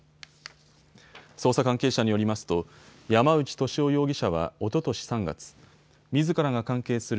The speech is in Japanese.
捜査関係者によりますと山内俊夫容疑者はおととし３月、みずからが関係する